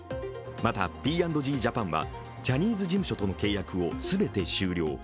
またＰ＆Ｇジャパンはジャニーズ事務所との契約を全て終了。